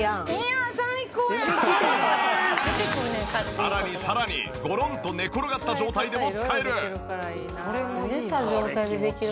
さらにさらにごろんと寝転がった状態でも使える！